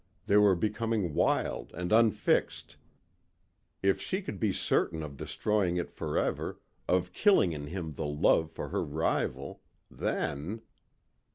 They were becoming wild and unfixed. If she could be certain of destroying it forever, of killing in him the love for her rival ... then....